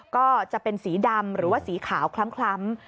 ก็จะเป็นสีดำหรือว่าสีขาวคล้ำ